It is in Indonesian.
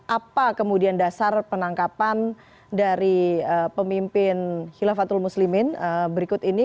apa kemudian dasar penangkapan dari pemimpin khilafatul muslimin berikut ini